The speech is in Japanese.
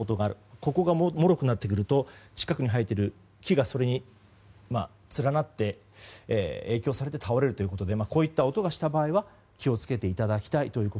ここがもろくなってくると近くに生えている木がそれに連なって影響されて倒れるということでこういった音がした場合は気を付けていただきたいと。